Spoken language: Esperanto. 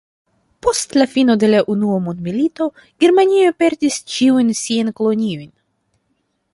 Post fino de la unua mondmilito, Germanio perdis ĉiujn siajn koloniojn.